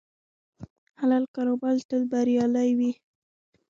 حلال کاروبار تل بریالی وي.